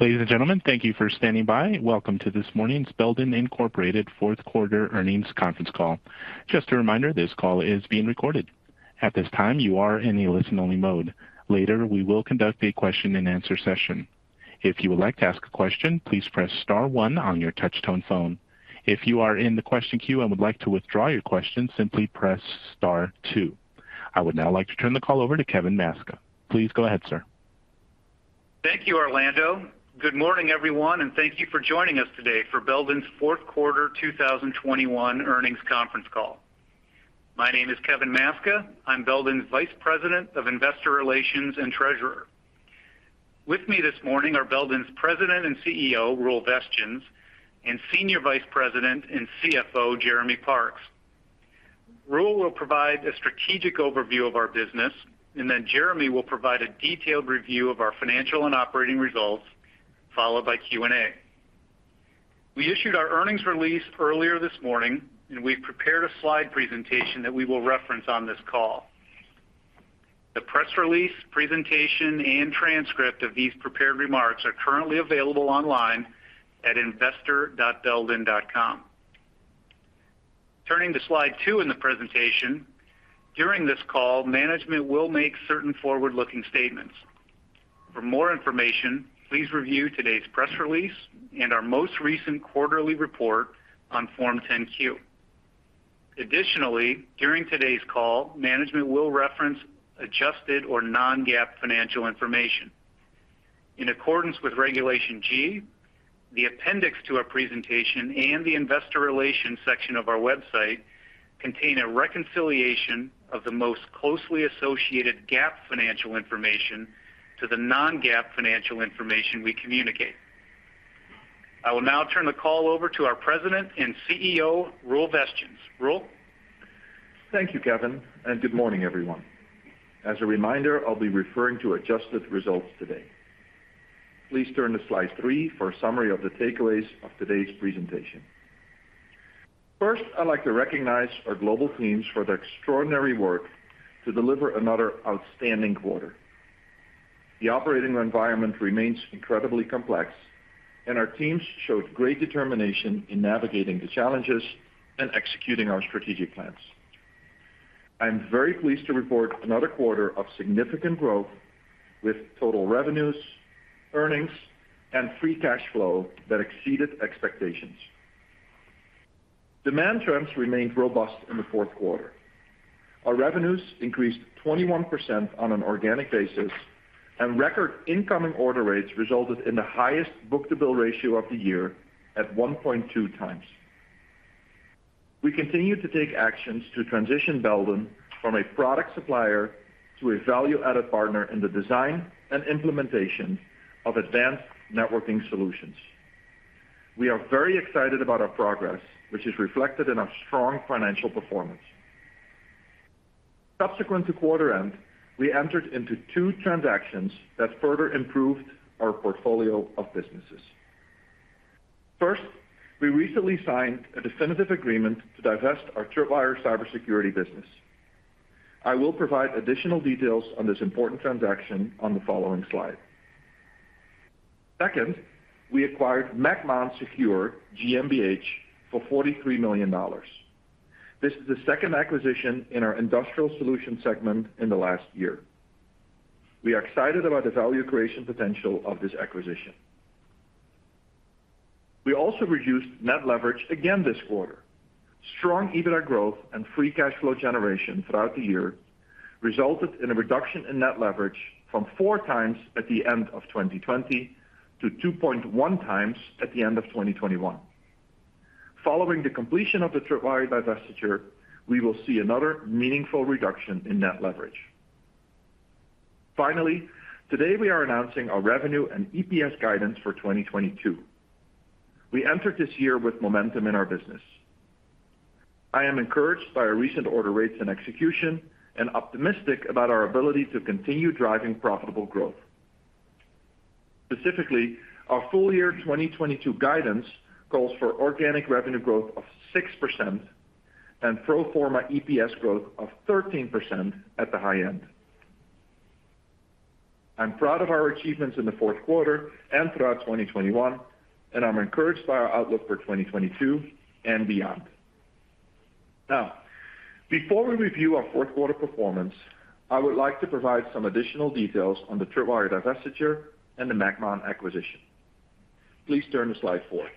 Ladies and gentlemen, thank you for standing by. Welcome to this morning's Belden Inc. Q4 Earnings Conference Call. Just a reminder, this call is being recorded. At this time, you are in a listen-only mode. Later, we will conduct a question-and-answer session. If you would like to ask a question, please press star one on your touch tone phone. If you are in the question queue and would like to withdraw your question, simply press star two. I would now like to turn the call over to Kevin Maczka. Please go ahead, sir. Thank you, Rolando. Good morning, everyone, and thank you for joining us today for Belden's Q4 2021 Earnings Conference Call. My name is Kevin Maczka. I'm Belden's Vice President of Investor Relations and Treasurer. With me this morning are Belden's President and CEO, Roel Vestjens, and Senior Vice President and CFO, Jeremy Parks. Roel will provide a strategic overview of our business, and then Jeremy will provide a detailed review of our financial and operating results, followed by Q&A. We issued our earnings release earlier this morning, and we've prepared a slide presentation that we will reference on this call. The press release, presentation, and transcript of these prepared remarks are currently available online at investor.belden.com. Turning to slide 2 in the presentation, during this call, management will make certain forward-looking statements. For more information, please review today's press release and our most recent quarterly report on Form 10-Q. Additionally, during today's call, management will reference adjusted or non-GAAP financial information. In accordance with Regulation G, the appendix to our presentation and the investor relations section of our website contain a reconciliation of the most closely associated GAAP financial information to the non-GAAP financial information we communicate. I will now turn the call over to our President and CEO, Roel Vestjens. Roel. Thank you, Kevin, and good morning, everyone. As a reminder, I'll be referring to adjusted results today. Please turn to slide 3 for a summary of the takeaways of today's presentation. First, I'd like to recognize our global teams for their extraordinary work to deliver another outstanding quarter. The operating environment remains incredibly complex, and our teams showed great determination in navigating the challenges and executing our strategic plans. I'm very pleased to report another quarter of significant growth with total revenues, earnings, and free cash flow that exceeded expectations. Demand trends remained robust in the Q4. Our revenues increased 21% on an organic basis, and record incoming order rates resulted in the highest book-to-bill ratio of the year at 1.2 times. We continue to take actions to transition Belden from a product supplier to a value-added partner in the design and implementation of advanced networking solutions. We are very excited about our progress, which is reflected in our strong financial performance. Subsequent to quarter end, we entered into two transactions that further improved our portfolio of businesses. First, we recently signed a definitive agreement to divest our Tripwire cybersecurity business. I will provide additional details on this important transaction on the following slide. Second, we acquired macmon secure GmbH for $43 million. This is the second acquisition in our industrial solutions segment in the last year. We are excited about the value creation potential of this acquisition. We also reduced net leverage again this quarter. Strong EBITDA growth and free cash flow generation throughout the year resulted in a reduction in net leverage from 4x at the end of 2020 to 2.1x at the end of 2021. Following the completion of the Tripwire divestiture, we will see another meaningful reduction in net leverage. Finally, today we are announcing our revenue and EPS guidance for 2022. We entered this year with momentum in our business. I am encouraged by our recent order rates and execution and optimistic about our ability to continue driving profitable growth. Specifically, our full year 2022 guidance calls for organic revenue growth of 6% and pro forma EPS growth of 13% at the high end. I'm proud of our achievements in the Q4 and throughout 2021, and I'm encouraged by our outlook for 2022 and beyond. Now, before we review our Q4 performance, I would like to provide some additional details on the Tripwire divestiture and the macmon acquisition. Please turn to slide 4.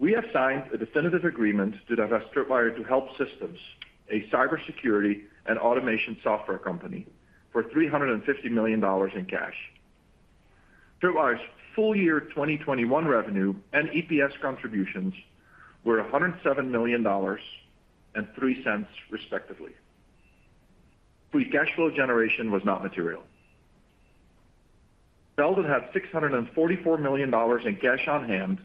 We have signed a definitive agreement to divest Tripwire to HelpSystems, a cybersecurity and automation software company, for $350 million in cash. Tripwire's full year 2021 revenue and EPS contributions were $107 million and $0.03, respectively. Free cash flow generation was not material. Belden had $644 million in cash on hand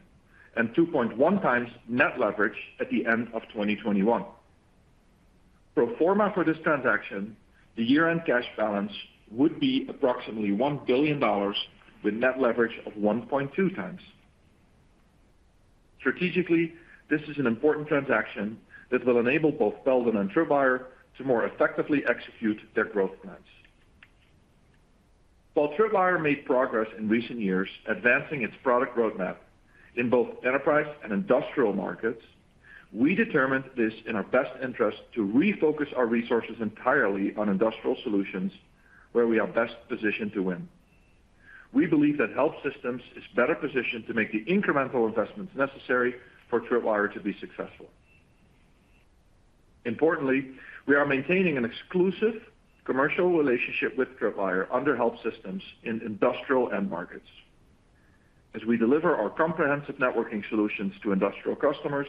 and 2.1x net leverage at the end of 2021. Pro forma for this transaction, the year-end cash balance would be approximately $1 billion with net leverage of 1.2x. Strategically, this is an important transaction that will enable both Belden and Tripwire to more effectively execute their growth plans. While Tripwire made progress in recent years advancing its product roadmap in both enterprise and industrial markets, we determined it is in our best interest to refocus our resources entirely on industrial solutions where we are best positioned to win. We believe that HelpSystems is better positioned to make the incremental investments necessary for Tripwire to be successful. Importantly, we are maintaining an exclusive commercial relationship with Tripwire under HelpSystems in industrial end markets. As we deliver our comprehensive networking solutions to industrial customers,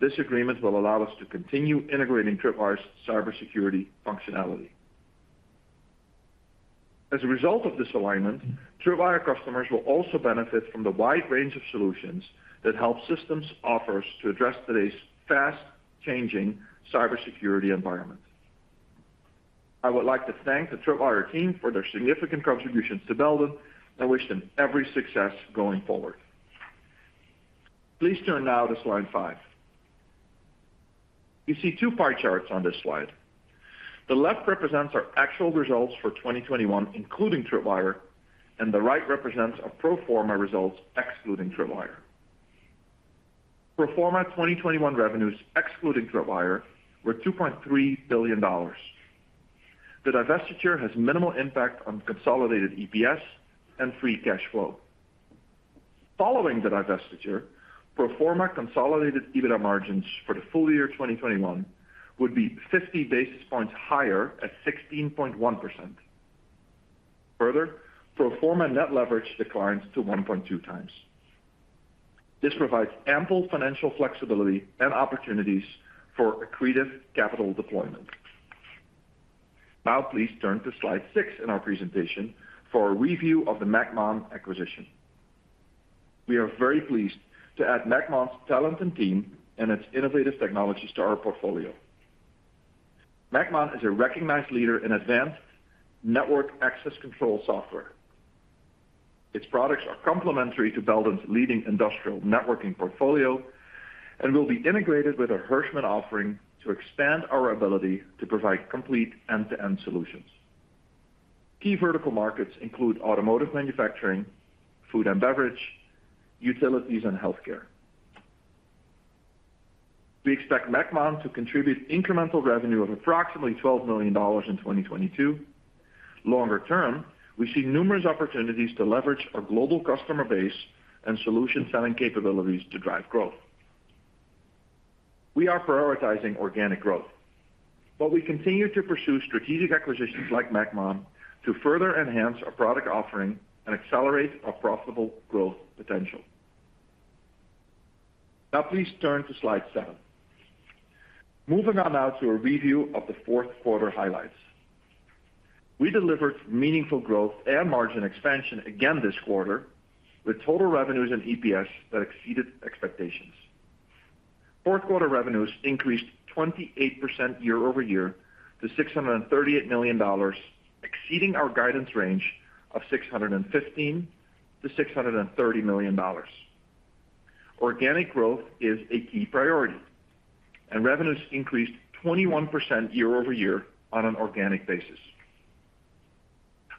this agreement will allow us to continue integrating Tripwire's cybersecurity functionality. As a result of this alignment, Tripwire customers will also benefit from the wide range of solutions that HelpSystems offers to address today's fast-changing cybersecurity environment. I would like to thank the Tripwire team for their significant contributions to Belden. I wish them every success going forward. Please turn now to slide 5. You see two pie charts on this slide. The left represents our actual results for 2021, including Tripwire, and the right represents our pro forma results excluding Tripwire. Pro forma 2021 revenues excluding Tripwire were $2.3 billion. The divestiture has minimal impact on consolidated EPS and free cash flow. Following the divestiture, pro forma consolidated EBITDA margins for the full year 2021 would be 50 basis points higher at 16.1%. Further, pro forma net leverage declines to 1.2 times. This provides ample financial flexibility and opportunities for accretive capital deployment. Now please turn to slide 6 in our presentation for a review of the macmon acquisition. We are very pleased to add macmon's talent and team and its innovative technologies to our portfolio. macmon is a recognized leader in advanced network access control software. Its products are complementary to Belden's leading industrial networking portfolio and will be integrated with our Hirschmann offering to expand our ability to provide complete end-to-end solutions. Key vertical markets include automotive manufacturing, food and beverage, utilities, and healthcare. We expect macmon to contribute incremental revenue of approximately $12 million in 2022. Longer term, we see numerous opportunities to leverage our global customer base and solution selling capabilities to drive growth. We are prioritizing organic growth, but we continue to pursue strategic acquisitions like macmon to further enhance our product offering and accelerate our profitable growth potential. Now please turn to slide 7. Moving on now to a review of the Q4 highlights. We delivered meaningful growth and margin expansion again this quarter with total revenues and EPS that exceeded expectations. Q4 revenues increased 28% year-over-year to $638 million, exceeding our guidance range of $615-630 million. Organic growth is a key priority, and revenues increased 21% year-over-year on an organic basis.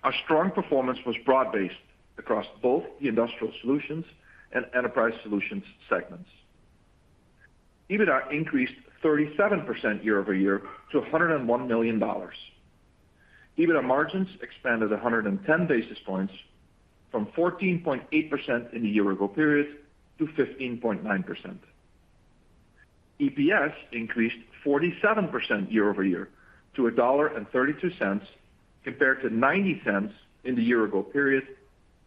Our strong performance was broad-based across both the Industrial Solutions and Enterprise Solutions segments. EBITDA increased 37% year-over-year to $101 million. EBITDA margins expanded 110 basis points from 14.8% in the year-ago period to 15.9%. EPS increased 47% year-over-year to $1.32 compared to $0.90 in the year-ago period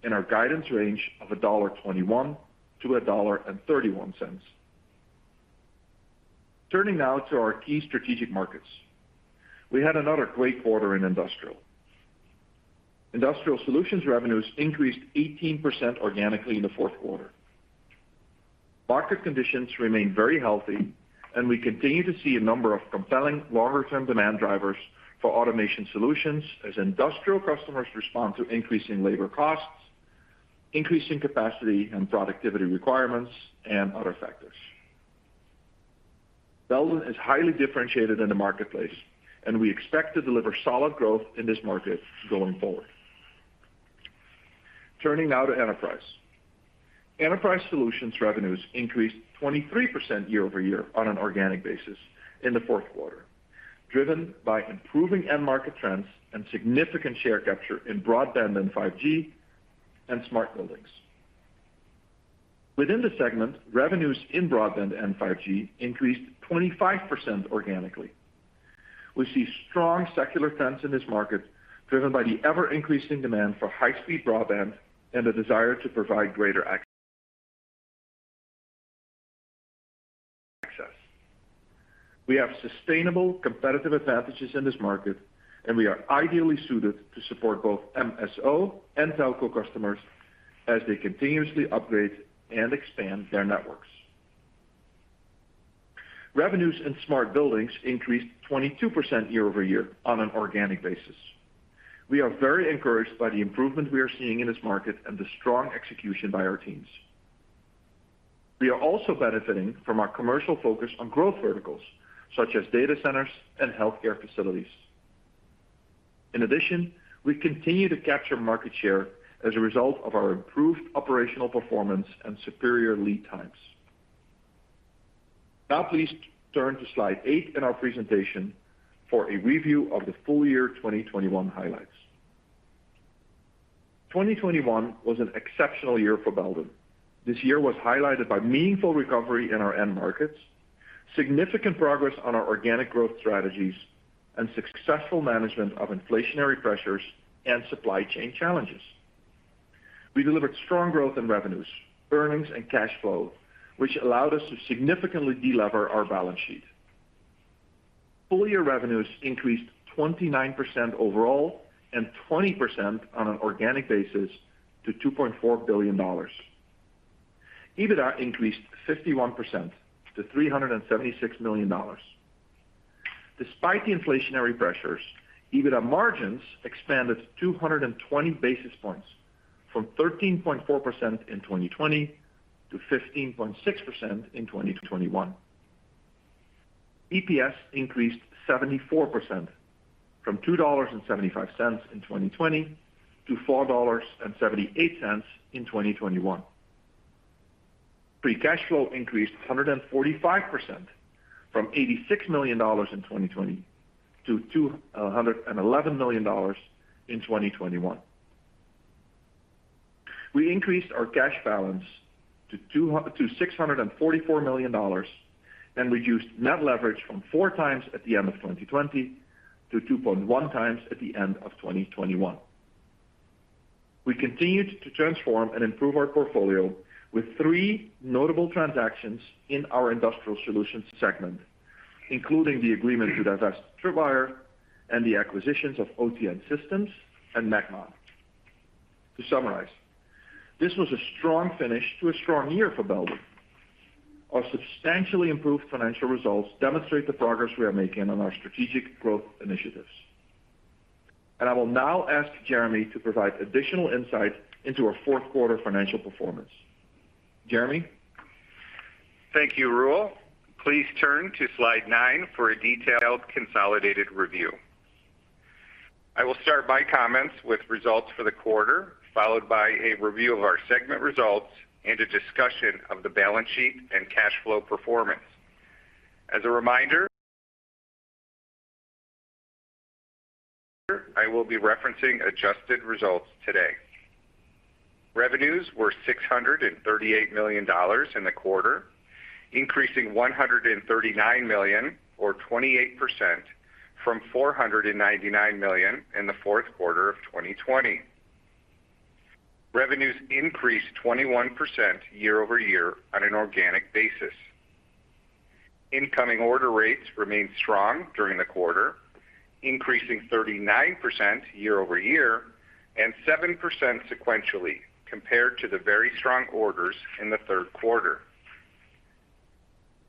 in our guidance range of $1.21-1.31. Turning now to our key strategic markets. We had another great quarter in Industrial. Industrial Solutions revenues increased 18% organically in the Q4. Market conditions remain very healthy, and we continue to see a number of compelling longer-term demand drivers for automation solutions as industrial customers respond to increasing labor costs, increasing capacity and productivity requirements, and other factors. Belden is highly differentiated in the marketplace, and we expect to deliver solid growth in this market going forward. Turning now to Enterprise. Enterprise Solutions revenues increased 23% year-over-year on an organic basis in the Q4, driven by improving end market trends and significant share capture in broadband and 5G and smart buildings. Within the segment, revenues in broadband and 5G increased 25% organically. We see strong secular trends in this market driven by the ever-increasing demand for high-speed broadband and a desire to provide greater access. We have sustainable competitive advantages in this market, and we are ideally suited to support both MSO and telco customers as they continuously upgrade and expand their networks. Revenues in smart buildings increased 22% year-over-year on an organic basis. We are very encouraged by the improvement we are seeing in this market and the strong execution by our teams. We are also benefiting from our commercial focus on growth verticals such as data centers and healthcare facilities. In addition, we continue to capture market share as a result of our improved operational performance and superior lead times. Now, please turn to slide 8 in our presentation for a review of the full year 2021 highlights. 2021 was an exceptional year for Belden. This year was highlighted by meaningful recovery in our end markets, significant progress on our organic growth strategies, and successful management of inflationary pressures and supply chain challenges. We delivered strong growth in revenues, earnings, and cash flow, which allowed us to significantly delever our balance sheet. Full year revenues increased 29% overall and 20% on an organic basis to $2.4 billion. EBITDA increased 51% to $376 million. Despite the inflationary pressures, EBITDA margins expanded 220 basis points from 13.4% in 2020 to 15.6% in 2021. EPS increased 74% from $2.75 in 2020 to $4.78 in 2021. Free cash flow increased 145% from $86 million in 2020 to $211 million in 2021. We increased our cash balance to $644 million, and reduced net leverage from 4x at the end of 2020 to 2.1x at the end of 2021. We continued to transform and improve our portfolio with three notable transactions in our industrial solutions segment, including the agreement to divest Tripwire and the acquisitions of OTN Systems and macmon. To summarize, this was a strong finish to a strong year for Belden. Our substantially improved financial results demonstrate the progress we are making on our strategic growth initiatives. I will now ask Jeremy to provide additional insight into our Q4 financial performance. Jeremy? Thank you, Roel. Please turn to slide nine for a detailed consolidated review. I will start my comments with results for the quarter, followed by a review of our segment results and a discussion of the balance sheet and cash flow performance. As a reminder, I will be referencing adjusted results today. Revenues were $638 million in the quarter, increasing $139 million or 28% from $499 million in the Q4 of 2020. Revenues increased 21% year-over-year on an organic basis. Incoming order rates remained strong during the quarter, increasing 39% year-over-year and 7% sequentially compared to the very strong orders in the Q3.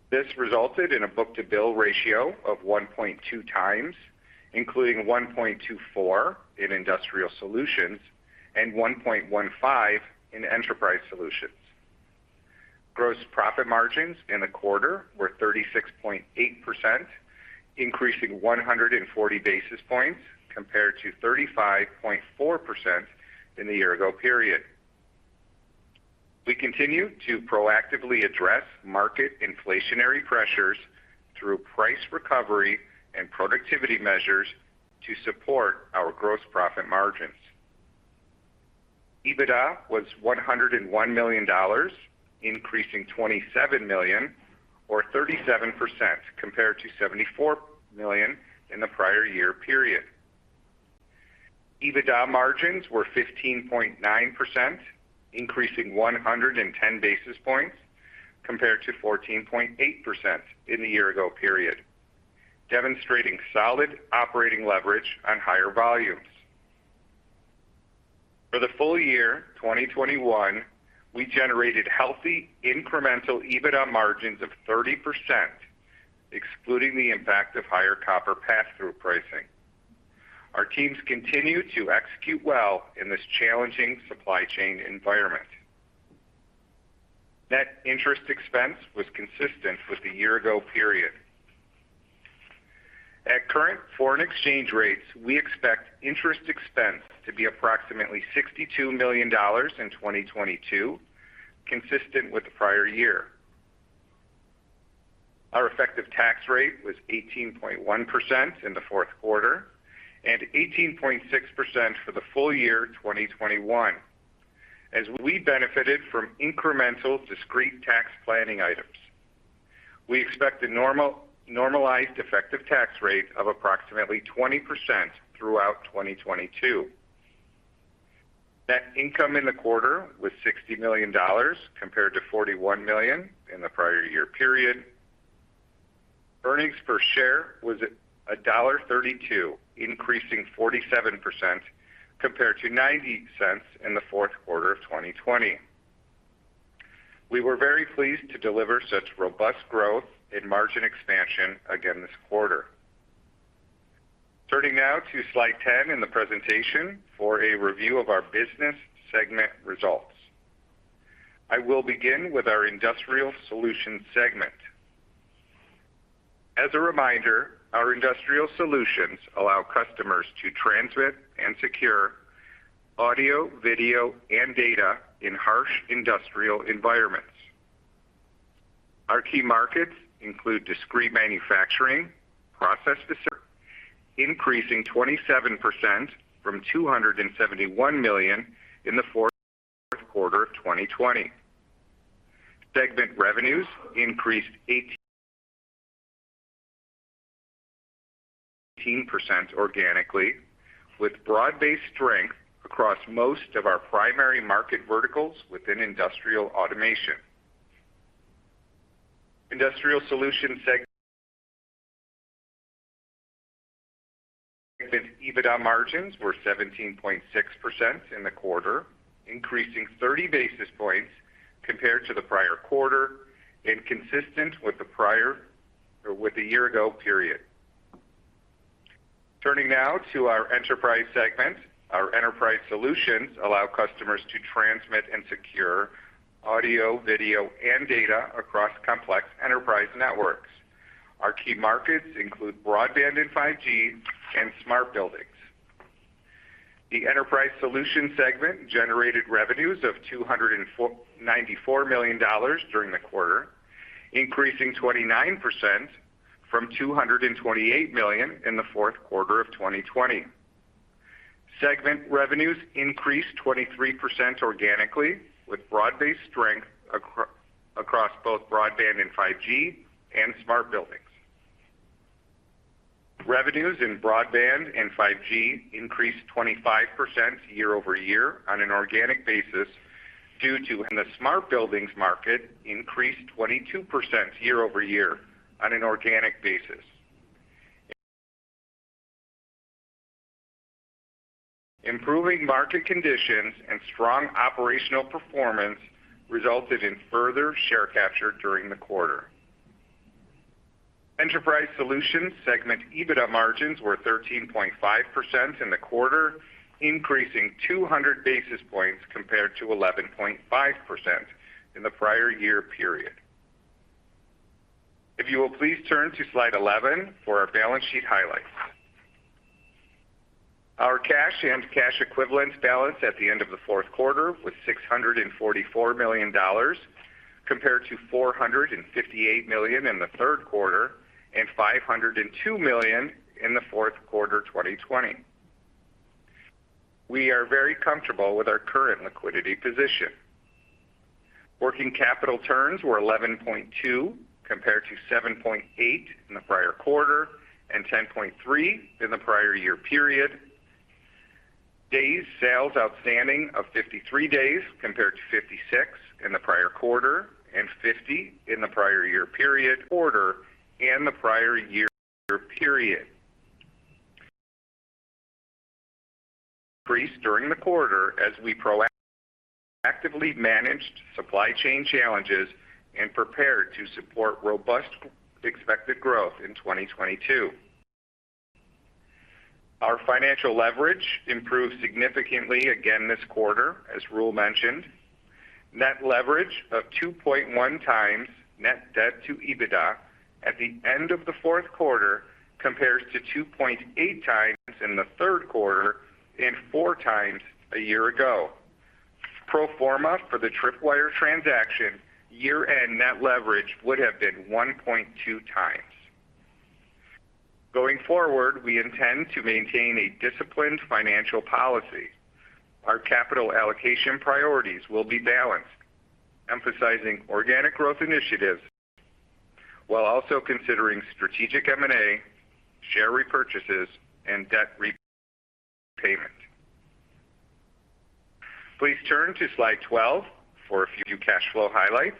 This resulted in a book-to-bill ratio of 1.2 times, including 1.24 in Industrial Solutions and 1.15 in Enterprise Solutions. Gross profit margins in the quarter were 36.8%, increasing 140 basis points compared to 35.4% in the year-ago period. We continue to proactively address market inflationary pressures through price recovery and productivity measures to support our gross profit margins. EBITDA was $101 million, increasing $27 million or 37% compared to $74 million in the prior-year period. EBITDA margins were 15.9%, increasing 110 basis points compared to 14.8% in the year-ago period, demonstrating solid operating leverage on higher volumes. For the full year 2021, we generated healthy incremental EBITDA margins of 30%, excluding the impact of higher copper passthrough pricing. Our teams continue to execute well in this challenging supply chain environment. Net interest expense was consistent with the year ago period. At current foreign exchange rates, we expect interest expense to be approximately $62 million in 2022, consistent with the prior year. Our effective tax rate was 18.1% in the Q4 and 18.6% for the full year 2021, as we benefited from incremental discrete tax planning items. We expect a normalized effective tax rate of approximately 20% throughout 2022. Net income in the quarter was $60 million compared to $41 million in the prior year period. Earnings per share was $1.32, increasing 47% compared to $0.90 in the Q4 of 2020. We were very pleased to deliver such robust growth in margin expansion again this quarter. Turning now to slide 10 in the presentation for a review of our business segment results. I will begin with our Industrial Automation Solutions segment. As a reminder, our industrial solutions allow customers to transmit and secure audio, video, and data in harsh industrial environments. Our key markets include discrete manufacturing, process. Increasing 27% from $271 million in the Q4 of 2020. Segment revenues increased eighteen percent organically, with broad-based strength across most of our primary market verticals within industrial automation. Industrial Solutions segment EBITDA margins were 17.6% in the quarter, increasing 30 basis points compared to the prior quarter and consistent with the prior or with the year-ago period. Turning now to our Enterprise segment. Our enterprise solutions allow customers to transmit and secure audio, video, and data across complex enterprise networks. Our key markets include broadband and 5G and smart buildings. The Enterprise Solutions segment generated revenues of $294 million during the quarter, increasing 29% from $228 million in the Q4 of 2020. Segment revenues increased 23% organically, with broad-based strength across both broadband and 5G and smart buildings. Revenues in broadband and 5G increased 25% year-over-year on an organic basis. Revenues in the smart buildings market increased 22% year-over-year on an organic basis. Improving market conditions and strong operational performance resulted in further share capture during the quarter. Enterprise Solutions segment EBITDA margins were 13.5% in the quarter, increasing 200 basis points compared to 11.5% in the prior year period. If you will please turn to slide 11 for our balance sheet highlights. Our cash and cash equivalents balance at the end of the Q4 was $644 million, compared to $458 million in the Q3 and $502 million in the Q4 2020. We are very comfortable with our current liquidity position. Working capital turns were 11.2 compared to 7.8 in the prior quarter and 10.3 in the prior year period. Days sales outstanding of 53 days compared to 56 in the prior quarter and 50 in the prior year period. Increased during the quarter as we proactively managed supply chain challenges and prepared to support robust expected growth in 2022. Our financial leverage improved significantly again this quarter, as Roel mentioned. Net leverage of 2.1 times net debt to EBITDA at the end of the Q4 compares to 2.8 times in the Q3 and 4 times a year ago. Pro forma for the Tripwire transaction, year-end net leverage would have been 1.2 times. Going forward, we intend to maintain a disciplined financial policy. Our capital allocation priorities will be balanced, emphasizing organic growth initiatives while also considering strategic M&A, share repurchases, and debt repayment. Please turn to slide 12 for a few cash flow highlights.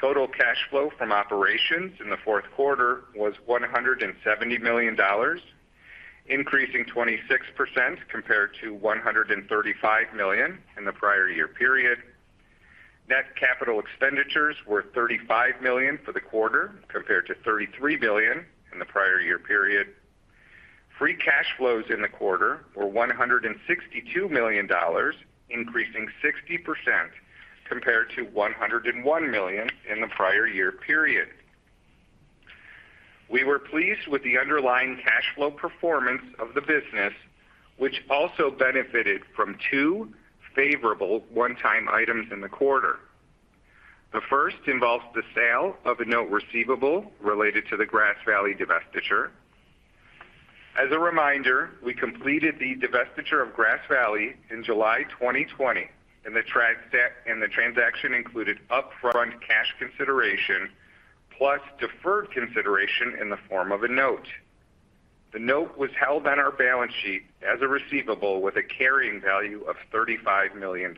Total cash flow from operations in the Q4 was $170 million, increasing 26% compared to $135 million in the prior year period. Net capital expenditures were $35 million for the quarter, compared to $33 million in the prior year period. Free cash flows in the quarter were $162 million, increasing 60% compared to $101 million in the prior year period. We were pleased with the underlying cash flow performance of the business, which also benefited from two favorable one-time items in the quarter. The first involves the sale of a note receivable related to the Grass Valley divestiture. As a reminder, we completed the divestiture of Grass Valley in July 2020, and the transaction included upfront cash consideration plus deferred consideration in the form of a note. The note was held on our balance sheet as a receivable with a carrying value of $35 million.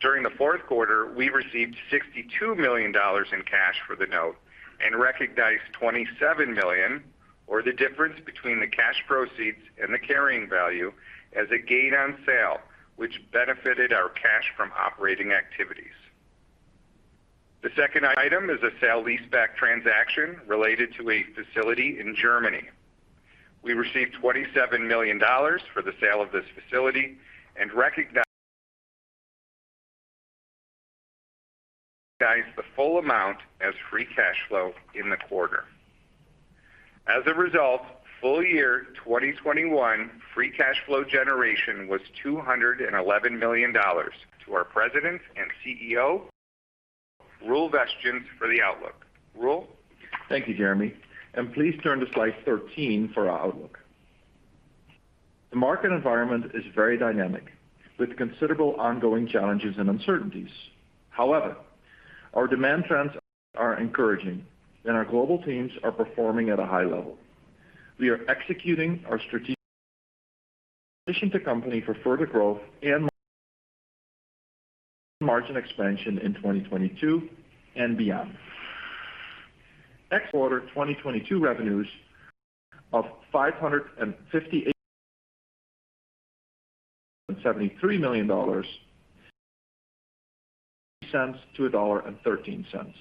During the Q4, we received $62 million in cash for the note and recognized $27 million, or the difference between the cash proceeds and the carrying value, as a gain on sale, which benefited our cash from operating activities. The second item is a sale leaseback transaction related to a facility in Germany. We received $27 million for the sale of this facility and recognized the full amount as free cash flow in the quarter. As a result, full year 2021 free cash flow generation was $211 million. To our President and CEO, Roel Vestjens for the outlook. Roel? Thank you, Jeremy, and please turn to slide 13 for our outlook. The market environment is very dynamic, with considerable ongoing challenges and uncertainties. However, our demand trends are encouraging and our global teams are performing at a high level. We are executing our strategy to position the company for further growth and margin expansion in 2022 and beyond. Next quarter 2022 revenues of $558.73 million and EPS of 58 cents to $1.13.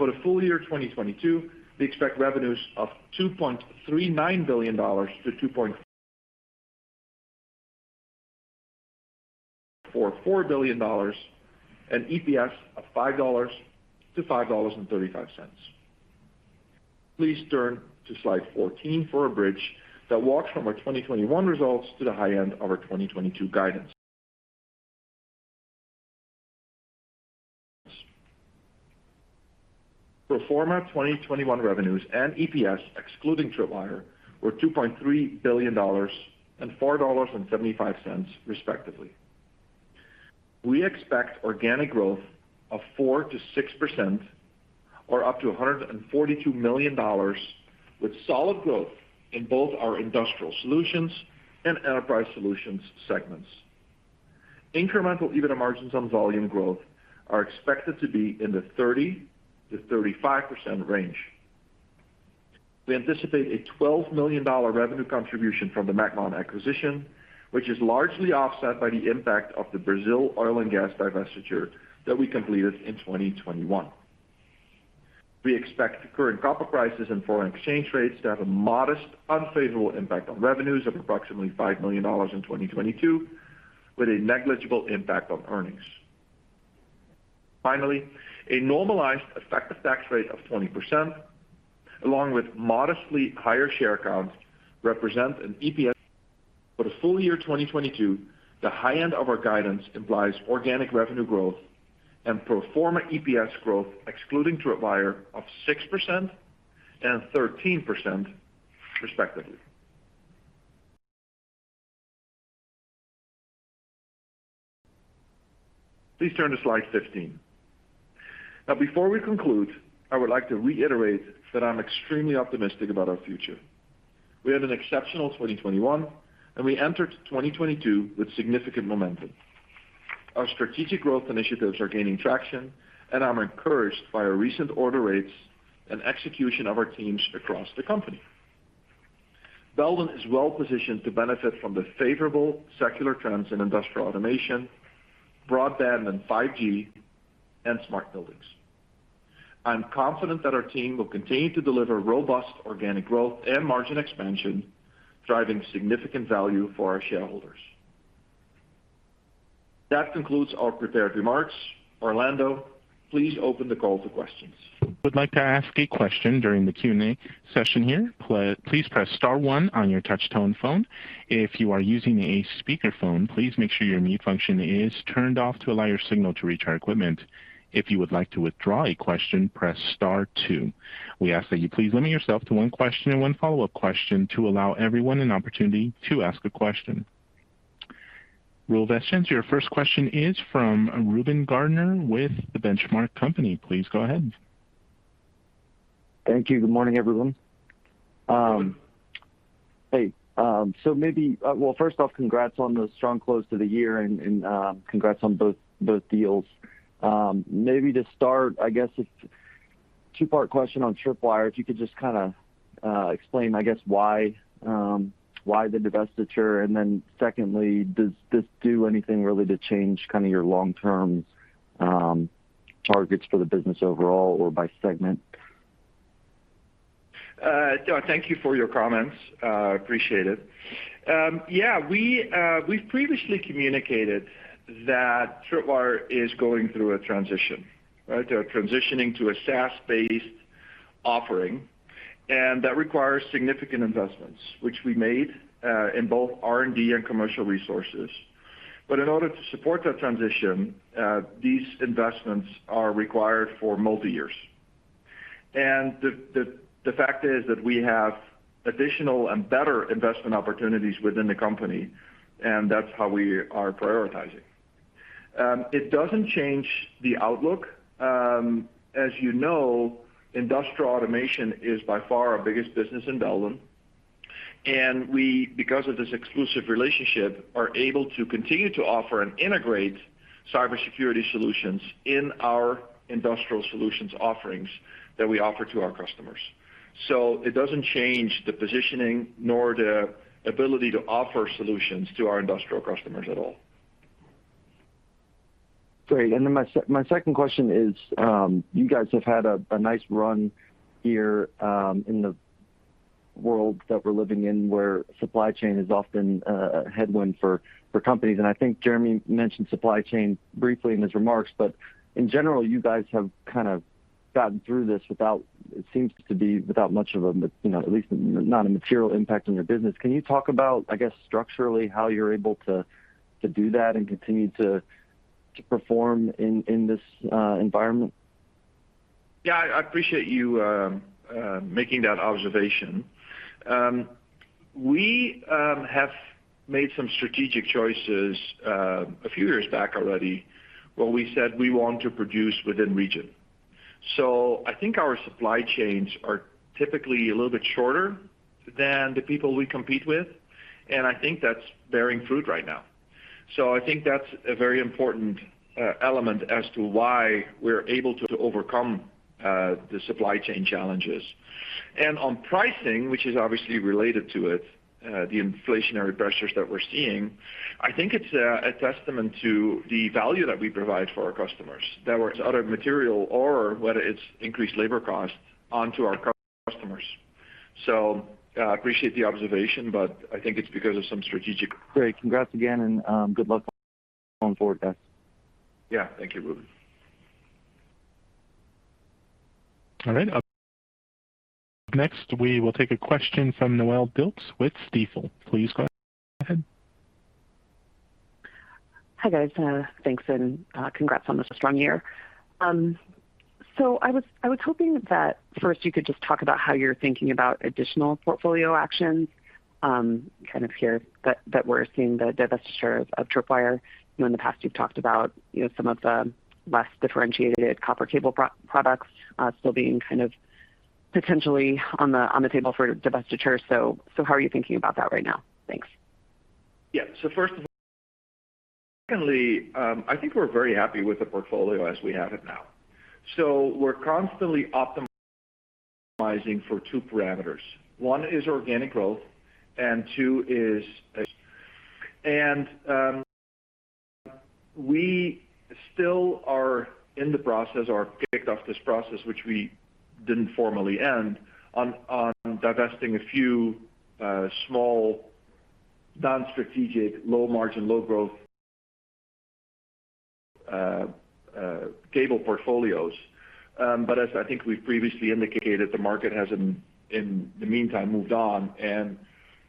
For the full year 2022, we expect revenues of $2.39-2.4 billion and EPS of $5-5.35. Please turn to slide 14 for a bridge that walks from our 2021 results to the high end of our 2022 guidance. Pro forma 2021 revenues and EPS excluding Tripwire were $2.3 billion and $4.75, respectively. We expect organic growth of 4%-6% or up to $142 million, with solid growth in both our Industrial Solutions and Enterprise Solutions segments. Incremental EBITDA margins on volume growth are expected to be in the 30%-35% range. We anticipate a $12 million revenue contribution from the macmon acquisition, which is largely offset by the impact of the Brazil oil and gas divestiture that we completed in 2021. We expect current copper prices and foreign exchange rates to have a modest, unfavorable impact on revenues of approximately $5 million in 2022, with a negligible impact on earnings. Finally, a normalized effective tax rate of 20%, along with modestly higher share count, represent an EPS for the full year 2022. The high end of our guidance implies organic revenue growth and pro forma EPS growth excluding Tripwire of 6% and 13% respectively. Please turn to slide 15. Now, before we conclude, I would like to reiterate that I'm extremely optimistic about our future. We had an exceptional 2021, and we entered 2022 with significant momentum. Our strategic growth initiatives are gaining traction, and I'm encouraged by our recent order rates and execution of our teams across the company. Belden is well-positioned to benefit from the favorable secular trends in industrial automation, broadband, and 5G, and smart buildings. I'm confident that our team will continue to deliver robust organic growth and margin expansion, driving significant value for our shareholders. That concludes our prepared remarks. Orlando, please open the call to questions. would like to ask a question during the Q&A session here, please press star one on your touch tone phone. If you are using a speakerphone, please make sure your mute function is turned off to allow your signal to reach our equipment. If you would like to withdraw a question, press star two. We ask that you please limit yourself to one question and one follow-up question to allow everyone an opportunity to ask a question. Roel Vestjens, your first question is from Reuben Garner with The Benchmark Company. Please go ahead. Thank you. Good morning, everyone. Hey, so maybe, well, first off, congrats on the strong close to the year and congrats on both deals. Maybe to start, I guess it's a two-part question on Tripwire. If you could just kinda explain, I guess why the divestiture? Secondly, does this do anything really to change kinda your long-term targets for the business overall or by segment? Thank you for your comments. Appreciate it. We've previously communicated that Tripwire is going through a transition, right? They're transitioning to a SaaS-based offering, and that requires significant investments, which we made in both R&D and commercial resources. In order to support that transition, these investments are required for multiple years. The fact is that we have additional and better investment opportunities within the company, and that's how we are prioritizing. It doesn't change the outlook. As you know, industrial automation is by far our biggest business in Belden. We, because of this exclusive relationship, are able to continue to offer and integrate cybersecurity solutions in our industrial solutions offerings that we offer to our customers. It doesn't change the positioning nor the ability to offer solutions to our industrial customers at all. Great. Then my second question is, you guys have had a nice run here, in the world that we're living in, where supply chain is often a headwind for companies. I think Jeremy mentioned supply chain briefly in his remarks. In general, you guys have kind of gotten through this without, it seems to be, without much of a, you know, at least not a material impact on your business. Can you talk about, I guess, structurally, how you're able to do that and continue to perform in this environment? Yeah. I appreciate you making that observation. We have made some strategic choices a few years back already, where we said we want to produce within region. I think our supply chains are typically a little bit shorter than the people we compete with, and I think that's bearing fruit right now. I think that's a very important element as to why we're able to overcome the supply chain challenges. On pricing, which is obviously related to it, the inflationary pressures that we're seeing, I think it's a testament to the value that we provide for our customers. Whether it's other material or whether it's increased labor costs onto our customers. I appreciate the observation, but I think it's because of some strategic- Great. Congrats again and good luck going forward, guys. Yeah. Thank you, Reuben. All right. Up next, we will take a question from Noelle Dilts with Stifel. Please go ahead. Hi, guys. Thanks and congrats on such a strong year. I was hoping that first you could just talk about how you're thinking about additional portfolio actions. I kind of hear that we're seeing the divestiture of Tripwire. You know, in the past you've talked about, you know, some of the less differentiated copper cable products still being kind of potentially on the table for divestiture. How are you thinking about that right now? Thanks. Secondly, I think we're very happy with the portfolio as we have it now. We're constantly optimizing for two parameters. One is organic growth, and two is we still are in the process or kicked off this process, which we didn't formally end, on divesting a few small, non-strategic, low margin, low growth cable portfolios. As I think we've previously indicated, the market has in the meantime moved on, and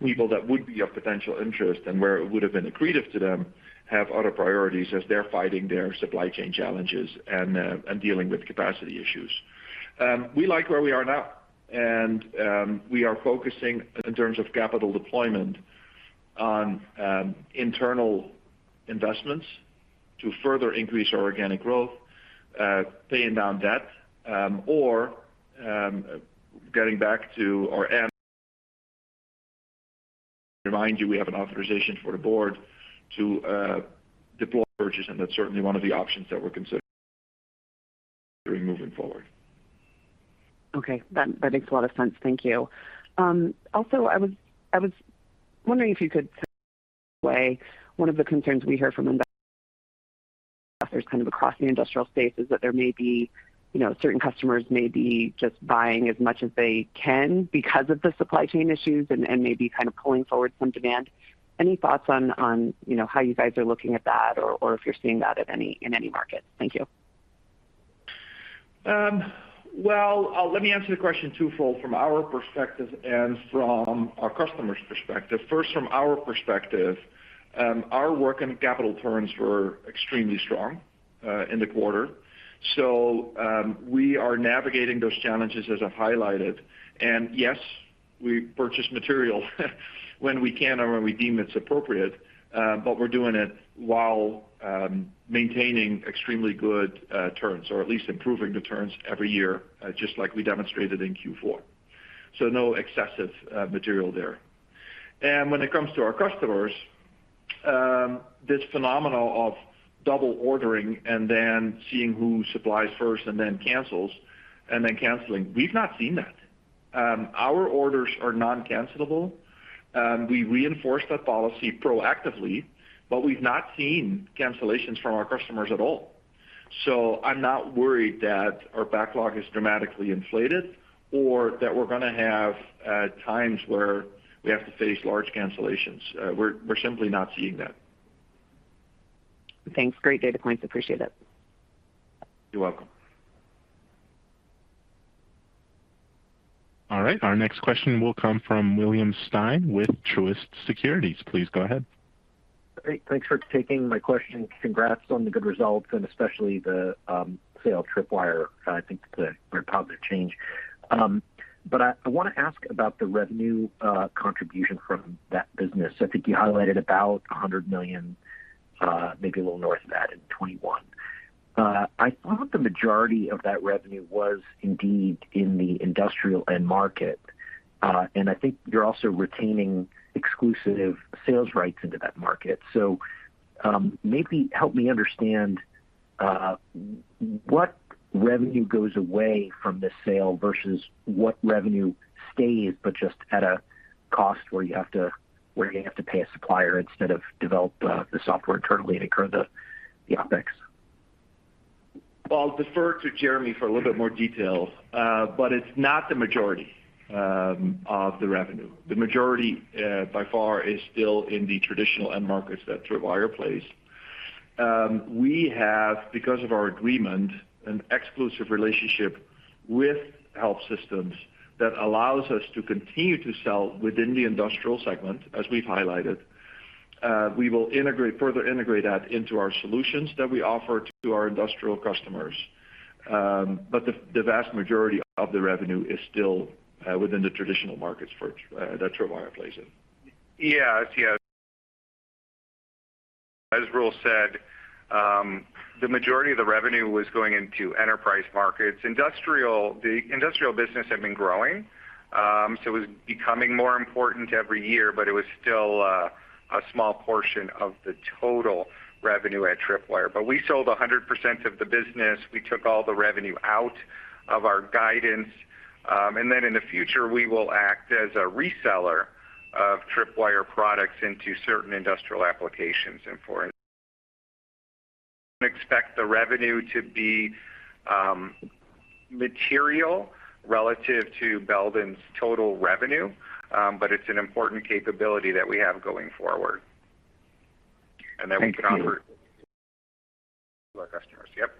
people that would be of potential interest and where it would have been accretive to them have other priorities as they're fighting their supply chain challenges and dealing with capacity issues. We like where we are now, and we are focusing in terms of capital deployment on internal investments to further increase our organic growth, paying down debt. To remind you, we have an authorization for the board to repurchase, and that's certainly one of the options that we're considering moving forward. Okay. That makes a lot of sense. Thank you. Also, I was wondering if you could say one of the concerns we hear from investors kind of across the industrial space is that there may be, you know, certain customers may be just buying as much as they can because of the supply chain issues and maybe kind of pulling forward some demand. Any thoughts on, you know, how you guys are looking at that or if you're seeing that in any market? Thank you. Well, let me answer the question twofold from our perspective and from our customer's perspective. First, from our perspective, our work and capital turns were extremely strong in the quarter. We are navigating those challenges as I've highlighted. Yes, we purchase material when we can or when we deem it's appropriate, but we're doing it while maintaining extremely good turns or at least improving the turns every year, just like we demonstrated in Q4. No excessive material there. When it comes to our customers, this phenomenon of double ordering and then seeing who supplies first and then cancels, and then canceling, we've not seen that. Our orders are non-cancelable. We reinforce that policy proactively, but we've not seen cancellations from our customers at all. I'm not worried that our backlog is dramatically inflated or that we're gonna have times where we have to face large cancellations. We're simply not seeing that. Thanks. Great data points. Appreciate it. You're welcome. All right. Our next question will come from William Stein with Truist Securities. Please go ahead. Great. Thanks for taking my question. Congrats on the good results and especially the sale of Tripwire. I think it's a very positive change. I wanna ask about the revenue contribution from that business. I think you highlighted about $100 million, maybe a little north of that in 2021. I thought the majority of that revenue was indeed in the industrial end market. I think you're also retaining exclusive sales rights into that market. Maybe help me understand what revenue goes away from the sale versus what revenue stays, but just at a cost where you have to pay a supplier instead of develop the software internally and incur the OpEx? Well, I'll defer to Jeremy for a little bit more detail. It's not the majority of the revenue. The majority by far is still in the traditional end markets that Tripwire plays. We have, because of our agreement, an exclusive relationship with HelpSystems that allows us to continue to sell within the industrial segment, as we've highlighted. We will further integrate that into our solutions that we offer to our industrial customers. The vast majority of the revenue is still within the traditional markets for that Tripwire plays in. Yeah, yeah. As Roel said, the majority of the revenue was going into enterprise markets. The industrial business had been growing, so it was becoming more important every year, but it was still a small portion of the total revenue at Tripwire. We sold 100% of the business. We took all the revenue out of our guidance. In the future, we will act as a reseller of Tripwire products into certain industrial applications. We expect the revenue to be material relative to Belden's total revenue, but it's an important capability that we have going forward, and that we can offer. Thank you. to our customers. Yep.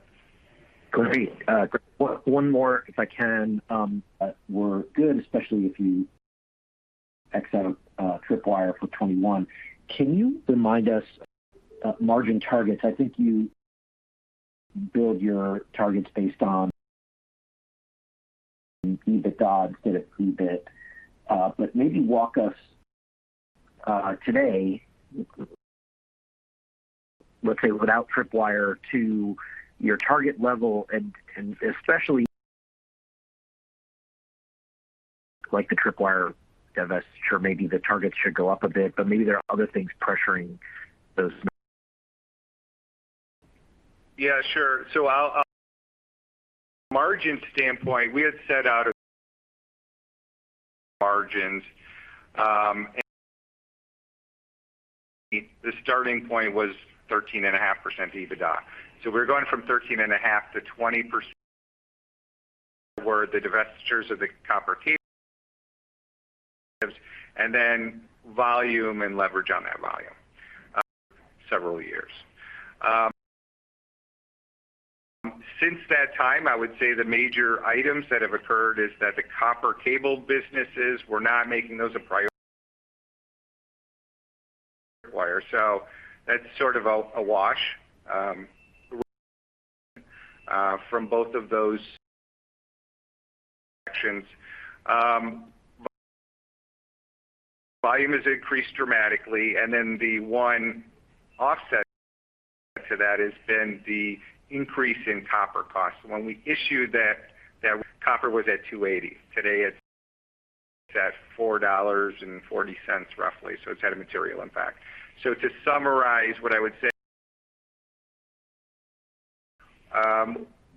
Great. One more, if I can. We're good, especially if you X out Tripwire for 2021. Can you remind us margin targets? I think you build your targets based on EBITDA instead of PBIT. Maybe walk us today, let's say without Tripwire to your target level and especially like the Tripwire divestiture, maybe the targets should go up a bit, but maybe there are other things pressuring those. Yeah, sure. From a margin standpoint, we had set out a margin. The starting point was 13.5% EBITDA. We're going from 13.5% to 20% with the divestitures of the copper cable and then volume and leverage on that volume several years. Since that time, I would say the major items that have occurred is that the copper cable businesses were not making those a priority wire. That's sort of a wash from both of those sections. Volume has increased dramatically, and then the one offset to that has been the increase in copper costs. When we issued that copper was at $2.80. Today, it's at $4.40, roughly. It's had a material impact. To summarize what I would say,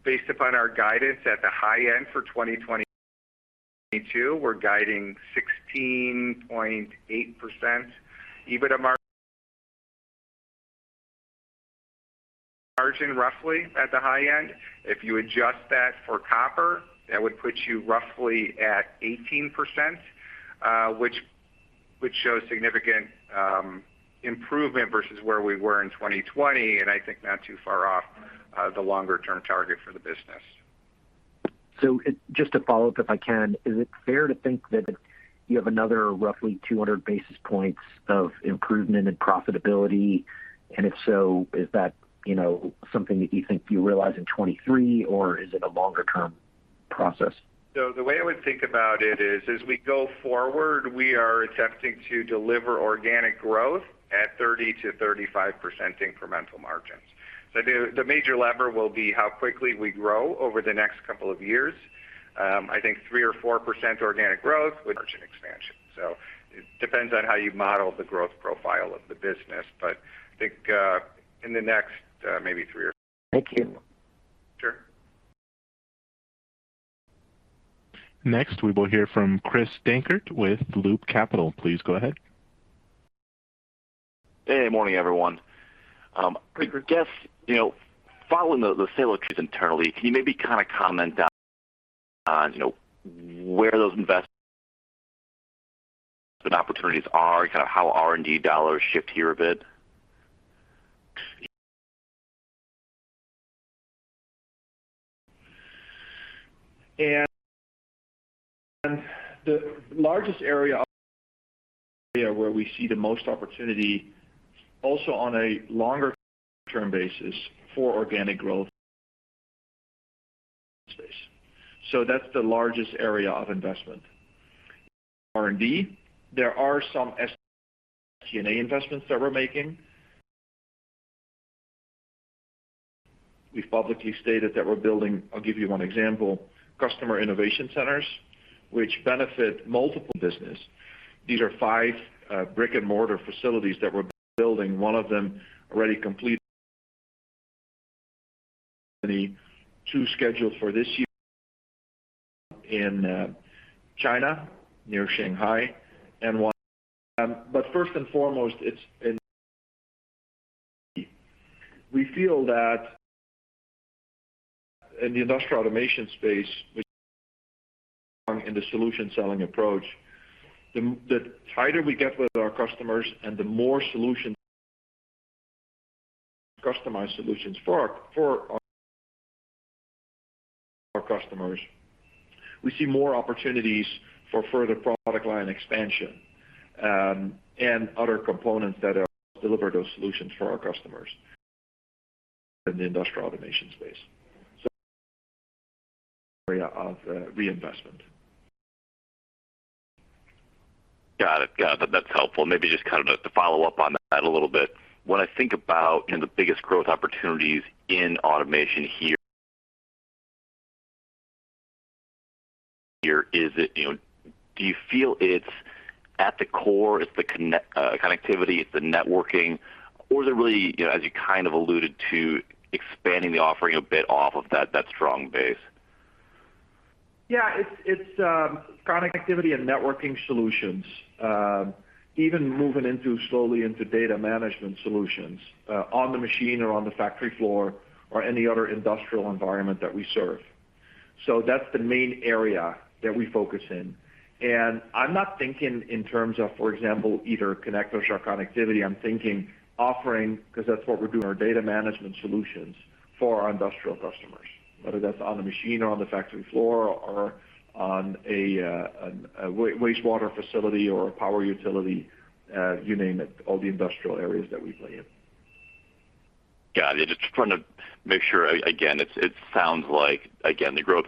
based upon our guidance at the high end for 2022, we're guiding 16.8% EBITDA margin roughly at the high end. If you adjust that for copper, that would put you roughly at 18%, which shows significant improvement versus where we were in 2020, and I think not too far off the longer-term target for the business. Just to follow up, if I can, is it fair to think that you have another roughly 200 basis points of improvement in profitability? If so, is that, you know, something that you think you realize in 2023, or is it a longer-term process? The way I would think about it is, as we go forward, we are attempting to deliver organic growth at 30%-35% incremental margins. The major lever will be how quickly we grow over the next couple of years. I think 3% or 4% organic growth with margin expansion. It depends on how you model the growth profile of the business. I think in the next maybe three or- Thank you. Sure. Next, we will hear from Chris Dankert with Loop Capital. Please go ahead. Hey, morning, everyone. I guess, you know, following the sale of internally, can you maybe kinda comment on, you know, where those investment opportunities are, kinda how R&D dollars shift here a bit? The largest area of area where we see the most opportunity also on a longer-term basis for organic growth space. That's the largest area of investment. R&D, there are some S, G, & A investments that we're making. We've publicly stated that we're building. I'll give you one example, Customer Innovation Centers, which benefit multiple business. These are 5 brick and mortar facilities that we're building. One of them already complete. 2 scheduled for this year in China, near Shanghai, and one, but first and foremost, it's in the industrial automation space. We feel that in the Industrial Automation space, which in the solution selling approach, the tighter we get with our customers and the more customized solutions for our customers. We see more opportunities for further product line expansion and other components that help deliver those solutions for our customers in the Industrial Automation space. Area of reinvestment. Got it. That's helpful. Maybe just kind of to follow up on that a little bit. When I think about, you know, the biggest growth opportunities in automation here, is it, you know, do you feel it's at the core, it's the connectivity, it's the networking? Or is it really, you know, as you kind of alluded to, expanding the offering a bit off of that strong base? It's connectivity and networking solutions, even moving slowly into data management solutions on the machine or on the factory floor or any other industrial environment that we serve. That's the main area that we focus in. I'm not thinking in terms of, for example, either connectors or connectivity. I'm thinking offering, 'cause that's what we do, in our data management solutions for our industrial customers, whether that's on the machine or on the factory floor or on a wastewater facility or a power utility, you name it, all the industrial areas that we play in. Got it. Just trying to make sure. Again, it sounds like, again, the growth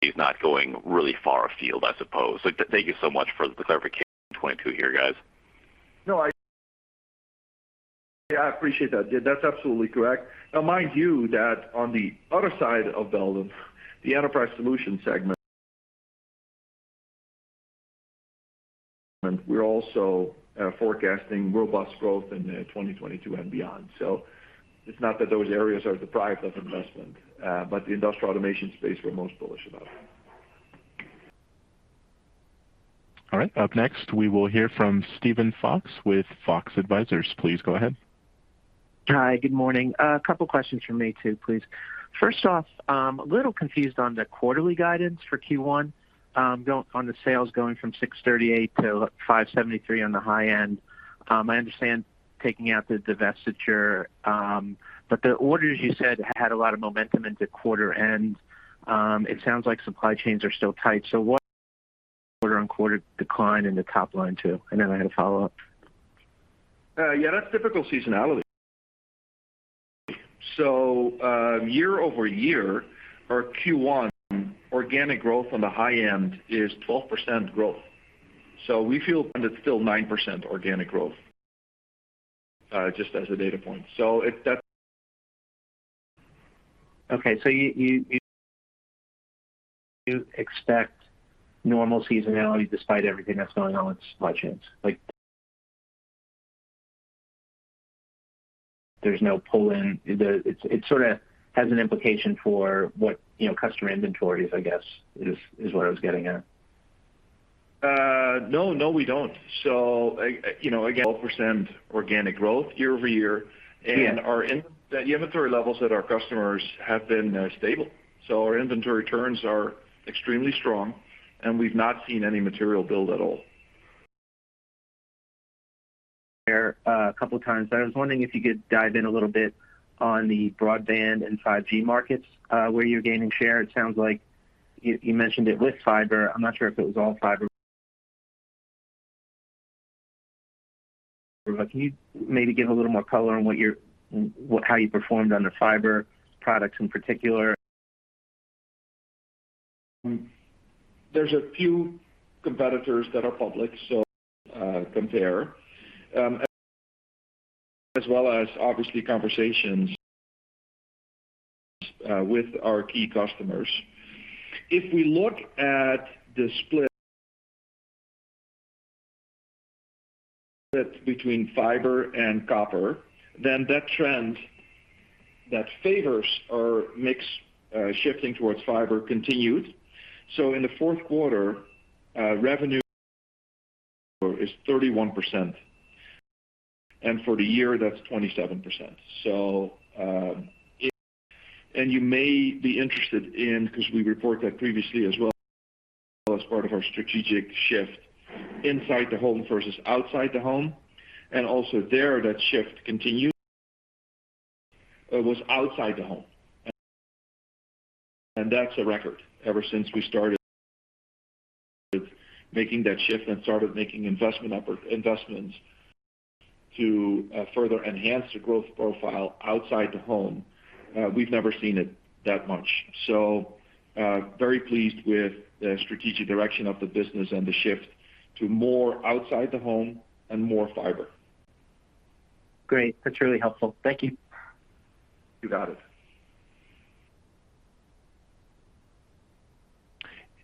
is not going really far afield, I suppose. Thank you so much for the clarification, 22 here, guys. No, I appreciate that. That's absolutely correct. Now, mind you that on the other side of the building, the Enterprise Solutions segment, we're also forecasting robust growth in 2022 and beyond. It's not that those areas are deprived of investment, but the Industrial Automation Solutions space we're most bullish about. All right. Up next, we will hear from Steven Fox with Fox Advisors. Please go ahead. Hi, good morning. A couple of questions from me too, please. First off, I'm a little confused on the quarterly guidance for Q1 on the sales going from $638-573 on the high end. I understand taking out the divestiture, but the orders you said had a lot of momentum into quarter end. It sounds like supply chains are still tight. What quarter-over-quarter decline in the top line too? And then I had a follow-up. Yeah, that's typical seasonality. Year-over-year, our Q1 organic growth on the high end is 12% growth. We feel and it's still 9% organic growth, just as a data point. If that's- Okay, you expect normal seasonality despite everything that's going on with supply chains. Like, there's no pull-in. It sort of has an implication for what, you know, customer inventory is, I guess, what I was getting at. No, we don't. You know, again, 12% organic growth year-over-year. Yeah. Our inventory levels at our customers have been stable. Our inventory turns are extremely strong, and we've not seen any material build at all. I was wondering if you could dive in a little bit on the broadband and 5G markets, where you're gaining share. It sounds like you mentioned it with fiber. I'm not sure if it was all fiber. Can you maybe give a little more color on how you performed on the fiber products in particular? There's a few competitors that are public, so compare, as well as obviously conversations with our key customers. If we look at the split between fiber and copper, then that trend that favors or makes shifting towards fiber continued. In the Q4, revenue is 31%. For the year, that's 27%. You may be interested in, 'cause we report that previously as well as part of our strategic shift inside the home versus outside the home. Also there, that shift continued. It was outside the home. That's a record ever since we started making that shift and started making investments to further enhance the growth profile outside the home. We've never seen it that much. Very pleased with the strategic direction of the business and the shift to more outside the home and more fiber. Great. That's really helpful. Thank you. You got it.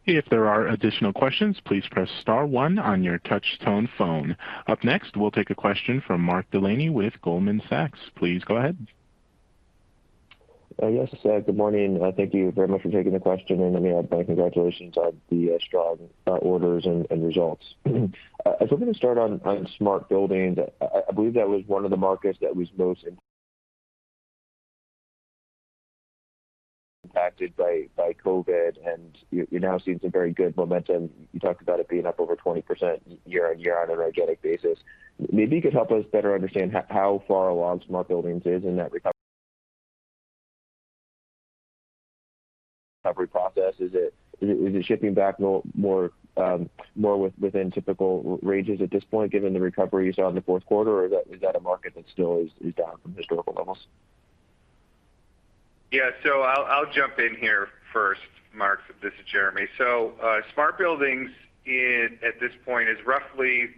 If there are additional questions, please press star one on your touch tone phone. Up next, we'll take a question from Mark Delaney with Goldman Sachs. Please go ahead. Yes. Good morning. Thank you very much for taking the question, and let me add my congratulations on the strong orders and results. If we can start on smart buildings. I believe that was one of the markets that was most impacted by COVID, and you're now seeing some very good momentum. You talked about it being up over 20% year-on-year on an organic basis. Maybe you could help us better understand how far along smart buildings is in that recovery process. Is it shifting back more within typical ranges at this point, given the recoveries on the Q4, or is that a market that still is down from historical levels? Yeah. I'll jump in here first, Mark. This is Jeremy. Smart buildings is, at this point, roughly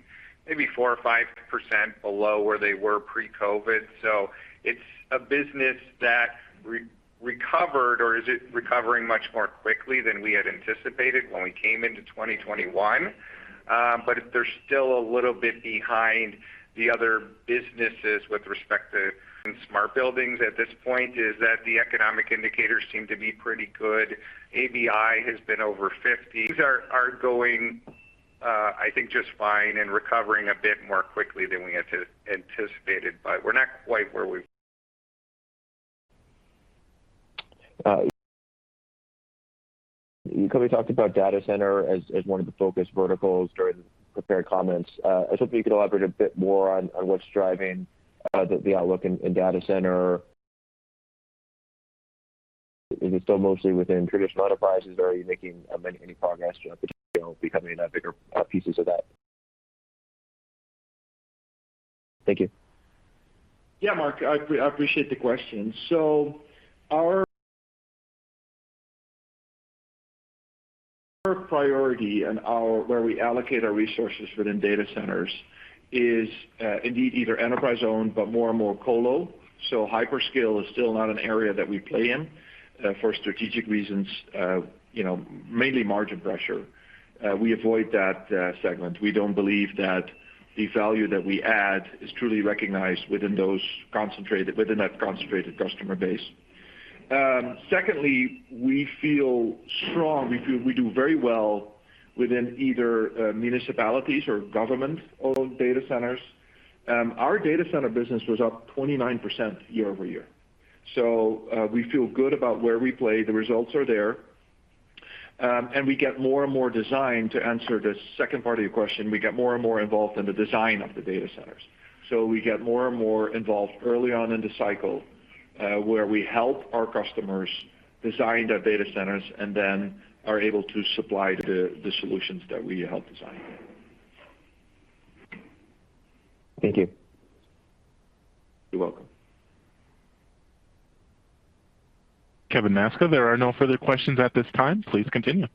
4% or 5% below where they were pre-COVID. It's a business that is recovering much more quickly than we had anticipated when we came into 2021. But they're still a little bit behind the other businesses with respect to smart buildings. At this point, the economic indicators seem to be pretty good. ABI has been over 50. Things are going, I think, just fine and recovering a bit more quickly than we anticipated. But we're not quite where we You kinda talked about data center as one of the focus verticals during the prepared comments. I was hoping you could elaborate a bit more on what's driving the outlook in data center. Is it still mostly within traditional enterprise or are you making any progress becoming a bigger piece of that? Thank you. Yeah, Mark. I appreciate the question. Our priority and where we allocate our resources within data centers is indeed either enterprise-owned, but more and more colo. Hyperscale is still not an area that we play in for strategic reasons, you know, mainly margin pressure. We avoid that segment. We don't believe that the value that we add is truly recognized within that concentrated customer base. Secondly, we feel strong. We feel we do very well within either municipalities or government-owned data centers. Our data center business was up 29% year-over-year. We feel good about where we play. The results are there. To answer the second part of your question, we get more and more involved in the design of the data centers. We get more and more involved early on in the cycle, where we help our customers design their data centers and then are able to supply the solutions that we help design. Thank you. You're welcome. Kevin Maczka, there are no further questions at this time. Please continue.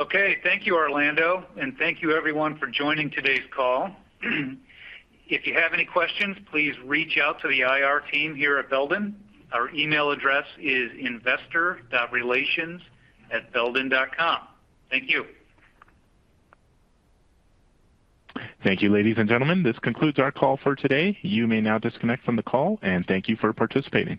Okay. Thank you, Orlando, and thank you everyone for joining today's call. If you have any questions, please reach out to the IR team here at Belden. Our email address is investor.relations@belden.com. Thank you. Thank you, ladies and gentlemen. This concludes our call for today. You may now disconnect from the call, and thank you for participating.